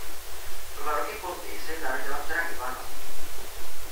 O dva roky později se jim narodila dcera Ivana.